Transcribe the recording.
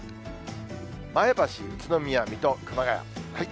前橋、宇都宮、水戸、熊谷。